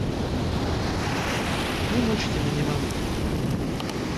Не мучце мяне, мамка!